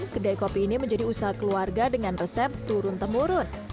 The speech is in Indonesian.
kedai kopi ini menjadi usaha keluarga dengan resep turun temurun